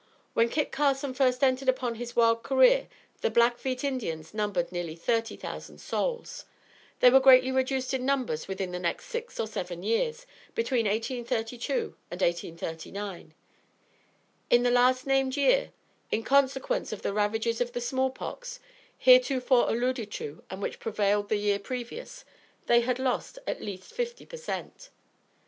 When Kit Carson first entered upon his wild career the Blackfeet Indians numbered nearly thirty thousand souls. They were greatly reduced in numbers within the next six or seven years, between 1832 and 1839. In the last named year, in consequence of the ravages of the small pox, heretofore alluded to and which prevailed the year previous, they had lost at least fifty per cent.